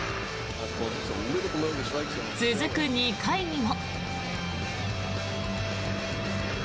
続く２回にも。